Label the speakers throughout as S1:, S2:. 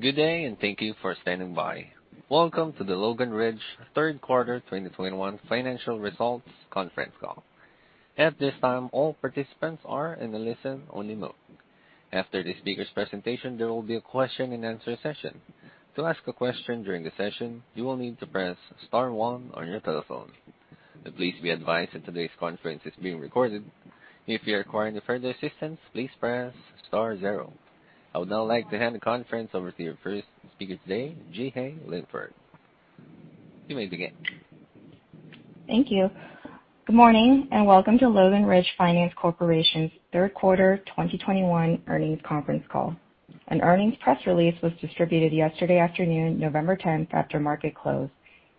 S1: Good day, and thank you for standing by. Welcome to the Logan Ridge third quarter 2021 financial results conference call. At this time, all participants are in a listen-only mode. After the speaker's presentation, there will be a question-and-answer session. To ask a question during the session, you will need to press star one on your telephone. Please be advised that today's conference is being recorded. If you require any further assistance, please press star zero. I would now like to hand the conference over to your first speaker today, Jeehae Linford. You may begin.
S2: Thank you. Good morning, and welcome to Logan Ridge Finance Corporation's third quarter 2021 earnings conference call. An earnings press release was distributed yesterday afternoon, November 10, after market close.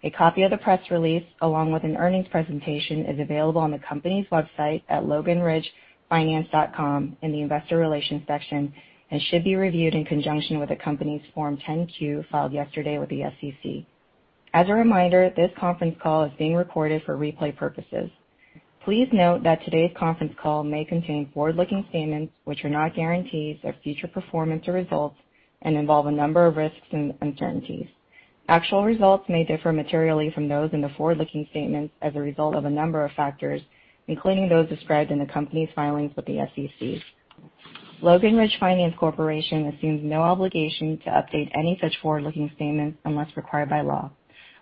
S2: A copy of the press release, along with an earnings presentation, is available on the company's website at loganridgefinance.com in the investor relations section and should be reviewed in conjunction with the company's Form 10-Q filed yesterday with the SEC. As a reminder, this conference call is being recorded for replay purposes. Please note that today's conference call may contain forward-looking statements which are not guarantees of future performance or results and involve a number of risks and uncertainties. Actual results may differ materially from those in the forward-looking statements as a result of a number of factors, including those described in the company's filings with the SEC. Logan Ridge Finance Corporation assumes no obligation to update any such forward-looking statements unless required by law.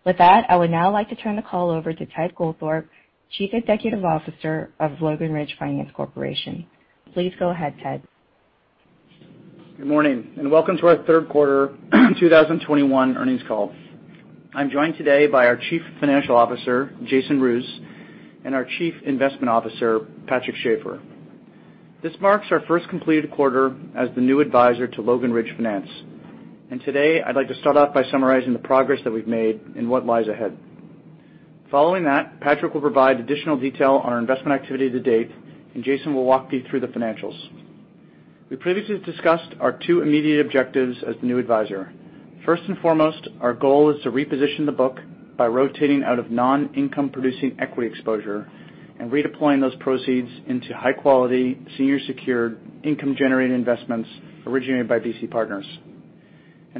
S2: With that, I would now like to turn the call over to Ted Goldthorpe, Chief Executive Officer of Logan Ridge Finance Corporation. Please go ahead, Ted.
S3: Good morning, and welcome to our third quarter 2021 earnings call. I'm joined today by our Chief Financial Officer, Jason Roos, and our Chief Investment Officer, Patrick Schafer. This marks our first completed quarter as the new advisor to Logan Ridge Finance. Today, I'd like to start off by summarizing the progress that we've made and what lies ahead. Following that, Patrick will provide additional detail on our investment activity to date, and Jason will walk you through the financials. We previously discussed our two immediate objectives as the new advisor. First and foremost, our goal is to reposition the book by rotating out of non-income producing equity exposure and redeploying those proceeds into high-quality, senior secured income-generating investments originated by BC Partners.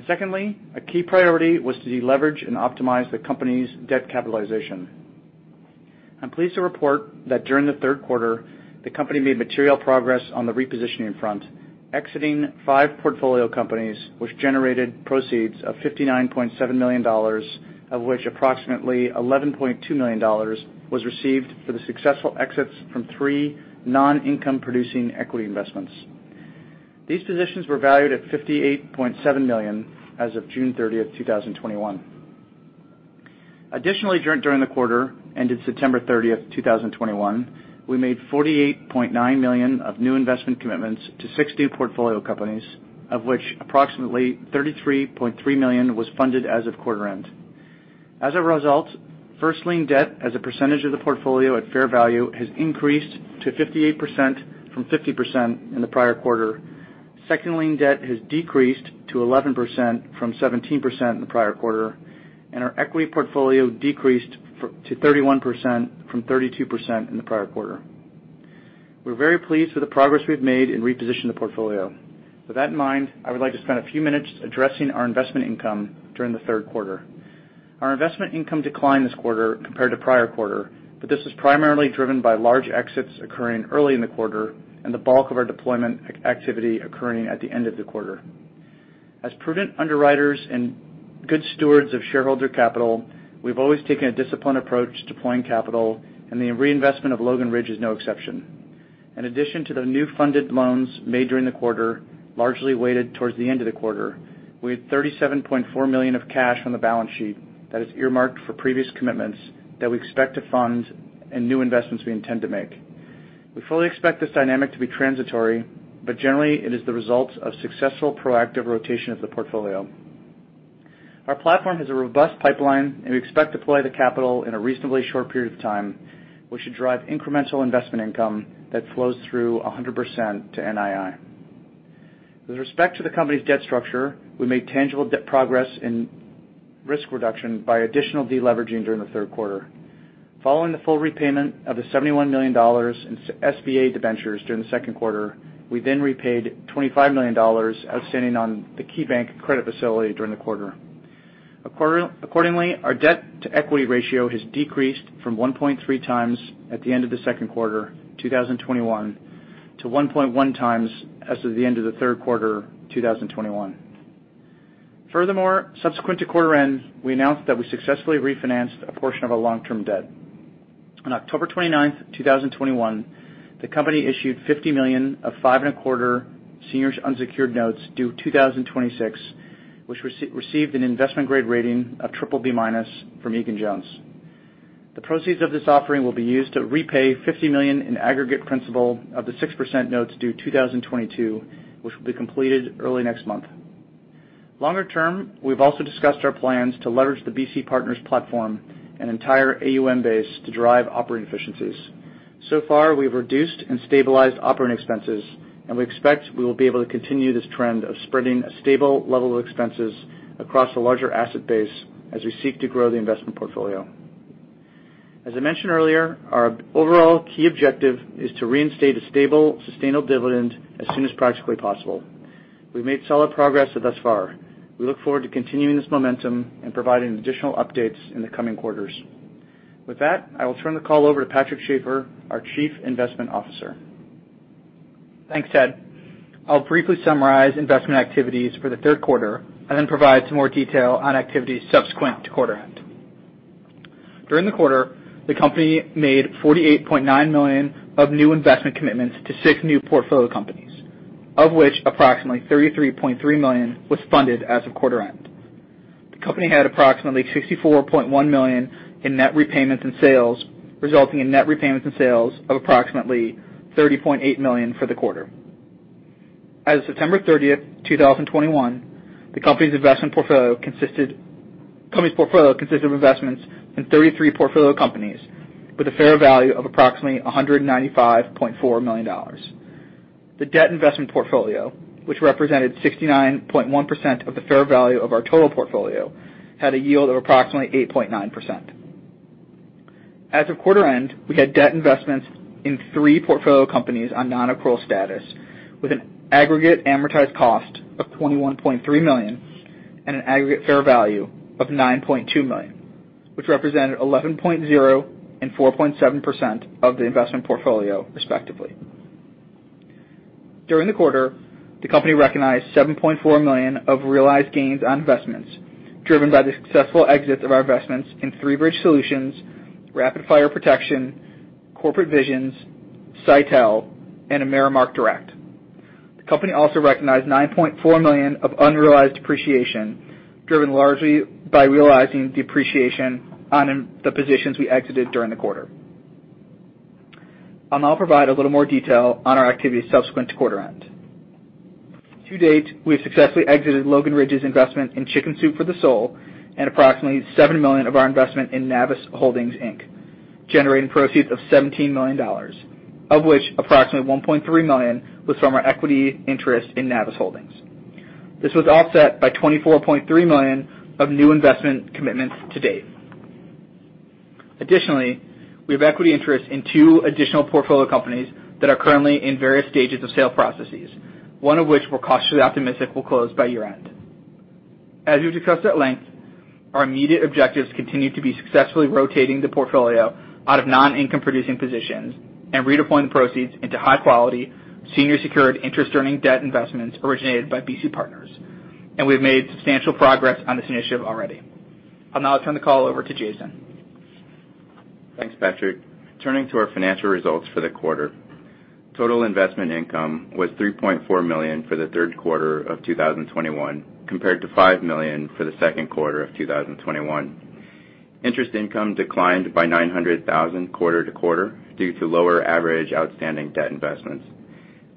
S3: Secondly, a key priority was to deleverage and optimize the company's debt capitalization. I'm pleased to report that during the third quarter, the company made material progress on the repositioning front, exiting five portfolio companies, which generated proceeds of $59.7 million, of which approximately $11.2 million was received for the successful exits from three non-income producing equity investments. These positions were valued at $58.7 million as of June 30th, 2021. Additionally, during the quarter ended September 30th, 2021, we made $48.9 million of new investment commitments to 60 portfolio companies, of which approximately $33.3 million was funded as of quarter end. As a result, first lien debt as a percentage of the portfolio at fair value has increased to 58% from 50% in the prior quarter. Second lien debt has decreased to 11% from 17% in the prior quarter, and our equity portfolio decreased to 31% from 32% in the prior quarter. We're very pleased with the progress we've made in repositioning the portfolio. With that in mind, I would like to spend a few minutes addressing our investment income during the third quarter. Our investment income declined this quarter compared to prior quarter, but this is primarily driven by large exits occurring early in the quarter and the bulk of our deployment activity occurring at the end of the quarter. As prudent underwriters and good stewards of shareholder capital, we've always taken a disciplined approach deploying capital, and the reinvestment of Logan Ridge is no exception. In addition to the new funded loans made during the quarter, largely weighted towards the end of the quarter, we had $37.4 million of cash on the balance sheet that is earmarked for previous commitments that we expect to fund and new investments we intend to make. We fully expect this dynamic to be transitory, but generally it is the result of successful proactive rotation of the portfolio. Our platform has a robust pipeline, and we expect to deploy the capital in a reasonably short period of time, which should drive incremental investment income that flows through 100% to NII. With respect to the company's debt structure, we made tangible debt progress in risk reduction by additional deleveraging during the third quarter. Following the full repayment of the $71 million in SBA debentures during the second quarter, we then repaid $25 million outstanding on the KeyBank credit facility during the quarter. Accordingly, our debt-to-equity ratio has decreased from 1.3x at the end of the second quarter 2021, to 1.1x as of the end of the third quarter 2021. Furthermore, subsequent to quarter end, we announced that we successfully refinanced a portion of our long-term debt. On October 29, 2021, the company issued $50 million of 5.25% senior unsecured notes due 2026, which received an investment grade rating of BBB- from Egan-Jones. The proceeds of this offering will be used to repay $50 million in aggregate principal of the 6% notes due 2022, which will be completed early next month. Longer term, we've also discussed our plans to leverage the BC Partners platform and entire AUM base to drive operating efficiencies. So far, we've reduced and stabilized operating expenses, and we expect we will be able to continue this trend of spreading a stable level of expenses across a larger asset base as we seek to grow the investment portfolio. As I mentioned earlier, our overall key objective is to reinstate a stable, sustainable dividend as soon as practically possible. We've made solid progress thus far. We look forward to continuing this momentum and providing additional updates in the coming quarters. With that, I will turn the call over to Patrick Schafer, our Chief Investment Officer.
S4: Thanks, Ted. I'll briefly summarize investment activities for the third quarter and then provide some more detail on activities subsequent to quarter end. During the quarter, the company made $48.9 million of new investment commitments to six new portfolio companies, of which approximately $33.3 million was funded as of quarter end. The company had approximately $64.1 million in net repayments and sales, resulting in net repayments and sales of approximately $30.8 million for the quarter. As of September 30th, 2021, the company's portfolio consisted of investments in 33 portfolio companies with a fair value of approximately $195.4 million. The debt investment portfolio, which represented 69.1% of the fair value of our total portfolio, had a yield of approximately 8.9%. As of quarter end, we had debt investments in three portfolio companies on non-accrual status with an aggregate amortized cost of $21.3 million and an aggregate fair value of $9.2 million, which represented 11.0% and 4.7% of the investment portfolio, respectively. During the quarter, the company recognized $7.4 million of realized gains on investments driven by the successful exit of our investments in ThreeBridge Solutions, Rapid Fire Protection, Corporate Visions, Sitel, and AmeriMark Direct. The company also recognized $9.4 million of unrealized appreciation, driven largely by realizing the appreciation on the positions we exited during the quarter. I'll now provide a little more detail on our activities subsequent to quarter end. To date, we have successfully exited Logan Ridge's investment in Chicken Soup for the Soul and approximately $7 million of our investment in Navos Holdings, Inc., generating proceeds of $17 million, of which approximately $1.3 million was from our equity interest in Navos Holdings. This was offset by $24.3 million of new investment commitments to date. Additionally, we have equity interest in two additional portfolio companies that are currently in various stages of sale processes, one of which we're cautiously optimistic will close by year-end. As we've discussed at length, our immediate objectives continue to be successfully rotating the portfolio out of non-income producing positions and redeploying the proceeds into high-quality, senior secured interest-earning debt investments originated by BC Partners. We've made substantial progress on this initiative already. I'll now turn the call over to Jason.
S5: Thanks, Patrick. Turning to our financial results for the quarter. Total investment income was $3.4 million for the third quarter of 2021, compared to $5 million for the second quarter of 2021. Interest income declined by $900,000 quarter to quarter due to lower average outstanding debt investments.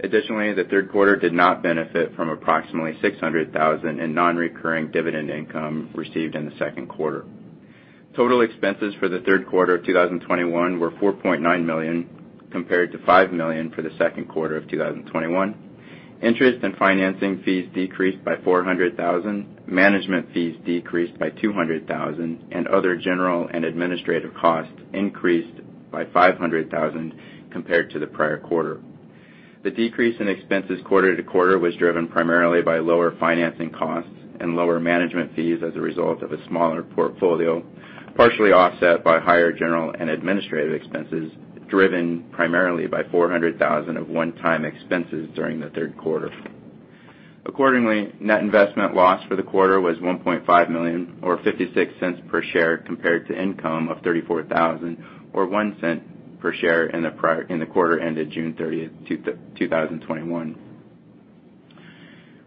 S5: Additionally, the third quarter did not benefit from approximately $600,000 in non-recurring dividend income received in the second quarter. Total expenses for the third quarter of 2021 were $4.9 million, compared to $5 million for the second quarter of 2021. Interest and financing fees decreased by $400,000, management fees decreased by $200,000, and other general and administrative costs increased by $500,000 compared to the prior quarter. The decrease in expenses quarter to quarter was driven primarily by lower financing costs and lower management fees as a result of a smaller portfolio, partially offset by higher general and administrative expenses, driven primarily by $400,000 of one-time expenses during the third quarter. Accordingly, net investment loss for the quarter was $1.5 million or $0.56 per share compared to income of $34,000 or $0.01 per share in the quarter ended June 30, 2021.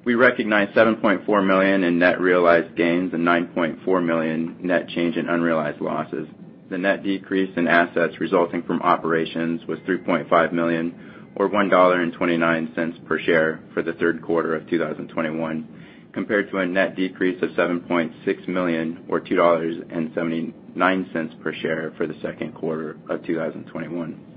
S5: We recognized $7.4 million in net realized gains and $9.4 million net change in unrealized losses. The net decrease in assets resulting from operations was $3.5 million or $1.29 per share for the third quarter of 2021, compared to a net decrease of $7.6 million or $2.79 per share for the second quarter of 2021.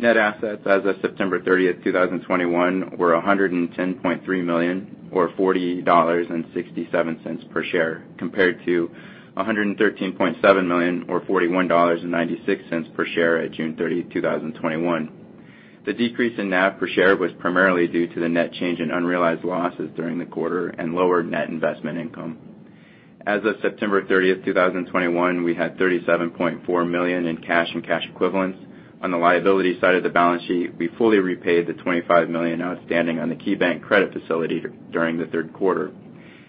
S5: Net assets as of September 30, 2021 were $110.3 million or $40.67 per share, compared to $113.7 million or $41.96 per share at June 30, 2021. The decrease in NAV per share was primarily due to the net change in unrealized losses during the quarter and lower net investment income. As of September 30, 2021, we had $37.4 million in cash and cash equivalents. On the liability side of the balance sheet, we fully repaid the $25 million outstanding on the KeyBank credit facility during the third quarter.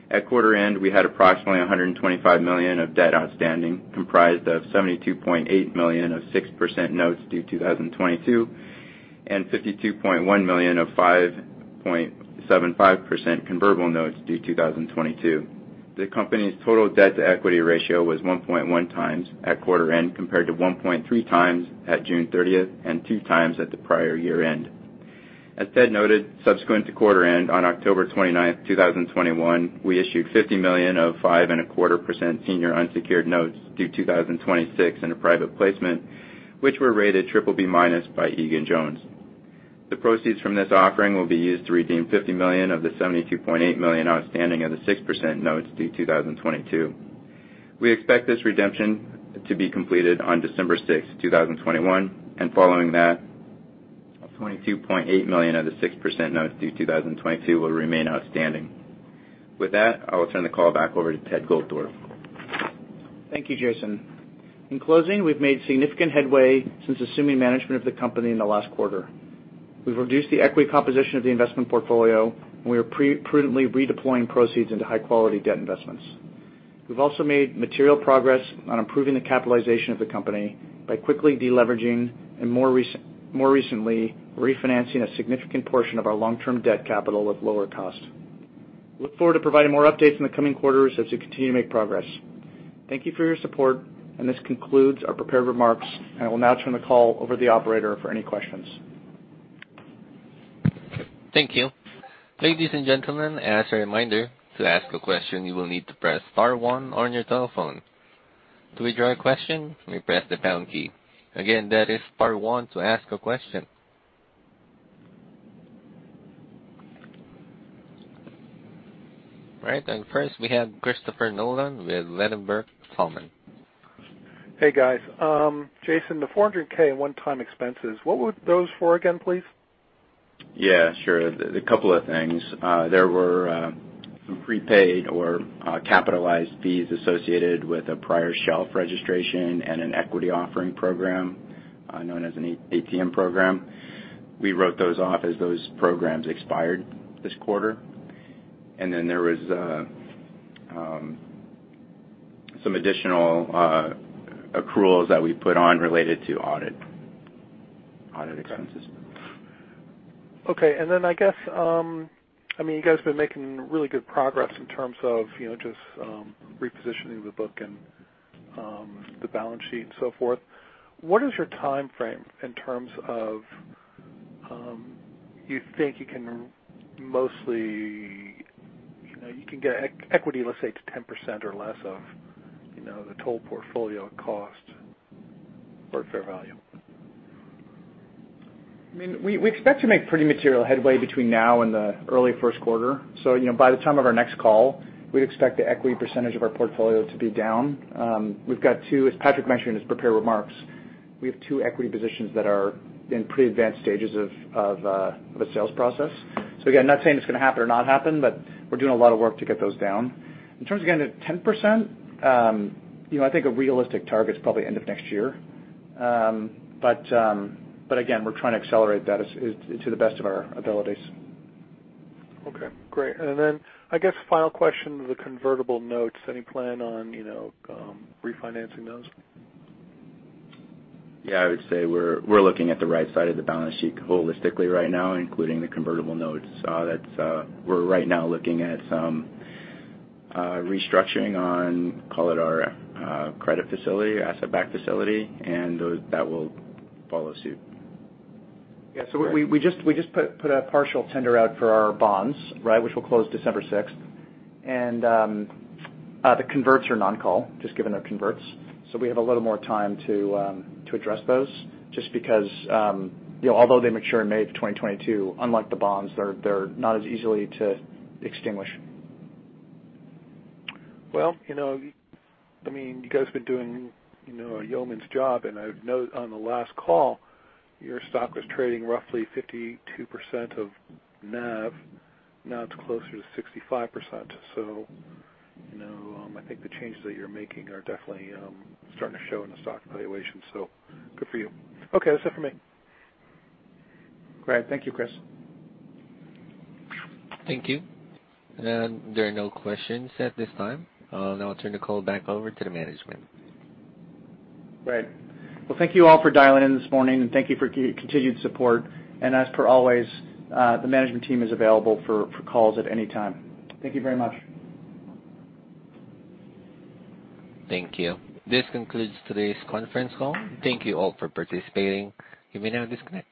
S5: At quarter end, we had approximately $125 million of debt outstanding, comprised of $72.8 million of 6% notes due 2022, and $52.1 million of 5.75% convertible notes due 2022. The company's total debt-to-equity ratio was 1.1x at quarter end, compared to 1.3x at June 30th and 2x at the prior year-end. As Ted noted, subsequent to quarter end, on October 29, 2021, we issued $50 million of 5.25% senior unsecured notes due 2026 in a private placement, which were rated BBB- by Egan-Jones. The proceeds from this offering will be used to redeem $50 million of the $72.8 million outstanding of the 6% notes due 2022. We expect this redemption to be completed on December 6, 2021, and following that, $22.8 million of the 6% notes due 2022 will remain outstanding. With that, I will turn the call back over to Ted Goldthorpe.
S3: Thank you, Jason. In closing, we've made significant headway since assuming management of the company in the last quarter. We've reduced the equity composition of the investment portfolio, and we are prudently redeploying proceeds into high-quality debt investments. We've also made material progress on improving the capitalization of the company by quickly deleveraging and more recently refinancing a significant portion of our long-term debt capital at lower cost. We look forward to providing more updates in the coming quarters as we continue to make progress. Thank you for your support, and this concludes our prepared remarks. I will now turn the call over to the operator for any questions.
S1: Thank you. Ladies and gentlemen, as a reminder, to ask a question, you will need to press star one on your telephone. To withdraw your question, you may press the pound key. Again, that is star one to ask a question. Right. First, we have Christopher Nolan with Ladenburg Thalmann.
S6: Hey, guys. Jason, the $400,000 one-time expenses, what were those for again, please?
S5: Yeah, sure. A couple of things. There were some prepaid or capitalized fees associated with a prior shelf registration and an equity offering program known as an ATM program. We wrote those off as those programs expired this quarter. There was some additional accruals that we put on related to audit expenses.
S6: Okay. I guess, I mean, you guys have been making really good progress in terms of, you know, just, repositioning the book and, the balance sheet and so forth. What is your timeframe in terms of, you think you can mostly, you know, you can get equity, let's say, to 10% or less of, you know, the total portfolio cost or fair value?
S3: I mean, we expect to make pretty material headway between now and the early first quarter. You know, by the time of our next call, we'd expect the equity percentage of our portfolio to be down. As Patrick mentioned in his prepared remarks, we have two equity positions that are in pretty advanced stages of a sales process. Again, not saying it's gonna happen or not happen, but we're doing a lot of work to get those down. In terms of getting to 10%, you know, I think a realistic target is probably end of next year. But again, we're trying to accelerate that to the best of our abilities.
S6: Okay, great. I guess final question on the convertible notes. Any plan on, you know, refinancing those?
S5: Yeah, I would say we're looking at the right side of the balance sheet holistically right now, including the convertible notes. We're right now looking at some restructuring on, call it our credit facility, asset-backed facility, and that will follow suit.
S3: We just put a partial tender out for our bonds, right, which will close December 6. The converts are non-callable, just given they're converts. We have a little more time to address those just because you know, although they mature in May 2022, unlike the bonds, they're not as easy to extinguish.
S6: Well, you know, I mean, you guys have been doing, you know, a yeoman's job, and on the last call, your stock was trading roughly 52% of NAV. Now it's closer to 65%. You know, I think the changes that you're making are definitely starting to show in the stock valuation, so good for you. Okay, that's it for me.
S3: Great. Thank you, Chris.
S1: Thank you. There are no questions at this time. Now I'll turn the call back over to the management.
S3: Great. Well, thank you all for dialing in this morning, and thank you for continued support. As per always, the management team is available for calls at any time. Thank you very much.
S1: Thank you. This concludes today's conference call. Thank you all for participating. You may now disconnect.